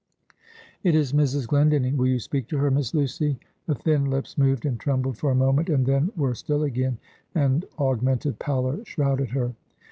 "It is Mrs. Glendinning. Will you speak to her, Miss Lucy?" The thin lips moved and trembled for a moment, and then were still again, and augmented pallor shrouded her.